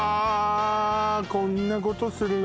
こんなことするの？